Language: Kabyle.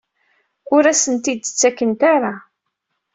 Ur asen-tt-id-ttakent ara?